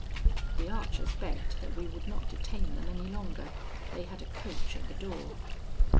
The archers begged that we would not detain them any longer. They had a coach at the door.